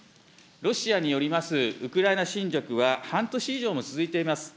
ロシアによりますウクライナ侵略は半年以上も続いています。